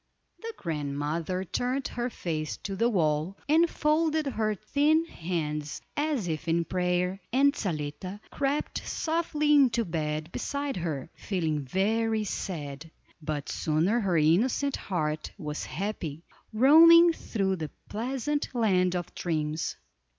The grandmother turned her face to the wall, and folded her thin hands as if in prayer, and Zaletta crept softly into bed beside her, feeling very sad; but soon her innocent heart was happy, roaming through the pleasant land of dreams.